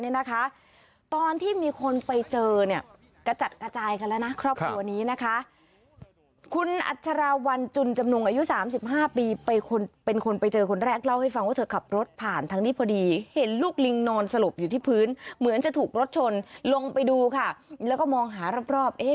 นี่มีเรื่องเล่ามีคนโพสเฟซบุ๊กเต็มเลย